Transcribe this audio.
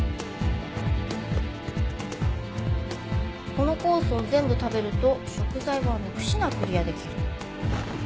このコースを全部食べると食材は６品クリアできる。